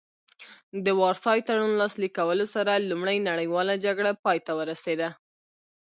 د وارسای تړون لاسلیک کولو سره لومړۍ نړیواله جګړه پای ته ورسیده